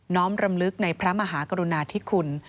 ้อมรำลึกในพระมหากรุณาธิคุณ